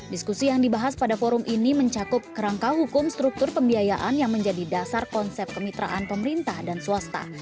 diskusi yang dibahas pada forum ini mencakup kerangka hukum struktur pembiayaan yang menjadi dasar konsep kemitraan pemerintah dan swasta